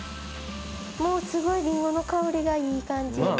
もうすごいりんごの香りがいい感じ。